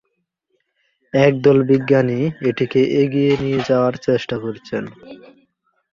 একদল বিজ্ঞানী এটিকে এগিয়ে নিয়ে যাওয়ার চেষ্টা করছেন।